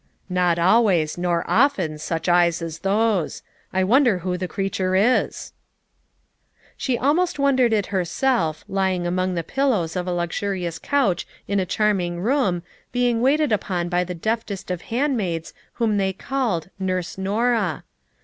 "Not always, nor often, such eyes as those. I wonder who the creature is." She almost wondered it herself, lying among the pillows of a luxurious couch in a charming room being waited upon by the deftest of hand maids whom they called "Nurse Nor ah."